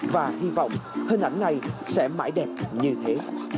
và hy vọng hình ảnh này sẽ mãi đẹp như thế